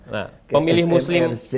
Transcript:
nah pemilih muslim